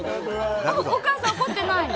お母さん、怒ってないの。